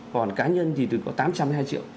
còn cá nhân thì có tám trăm một mươi hai triệu